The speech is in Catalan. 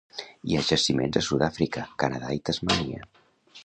Hi ha jaciments a Sud-àfrica, Canadà i Tasmània.